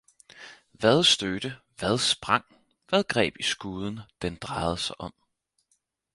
Hvad stødte, hvad sprang, hvad greb i skuden den dreiede sig om